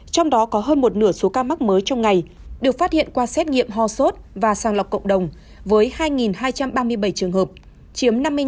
trong đó có hơn một nửa số ca mắc mới trong ngày được phát hiện qua xét nghiệm ho sốt và sàng lọc cộng đồng với hai hai trăm ba mươi bảy trường hợp chiếm năm mươi bốn